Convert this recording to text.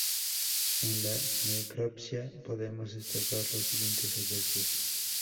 En la necropsia, podemos destacar los siguientes hallazgos.